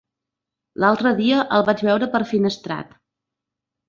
L'altre dia el vaig veure per Finestrat.